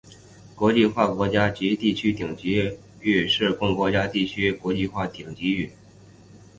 国际化国家及地区顶级域是供国家或地区的国际化顶级域。